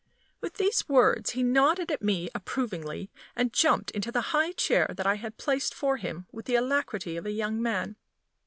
With these words he nodded at me approvingly, and jumped into the high chair that I had placed for him with the alacrity of a young man.